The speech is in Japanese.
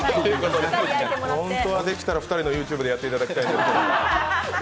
本当はできたら２人のＹｏｕＴｕｂｅでやっていただきたい。